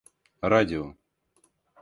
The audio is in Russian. радио